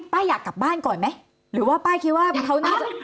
ป้ายอยากกลับบ้านก่อนไหมหรือว่าป้ายคิดว่าอยากกลับบ้าน